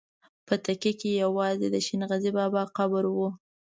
په تکیه کې یوازې د شین غزي بابا قبر و.